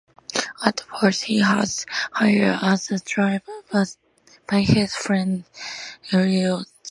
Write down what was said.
At first he was hired as a driver by his friend Elio Zarlenga.